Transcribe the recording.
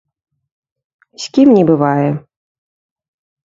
З кім не бывае?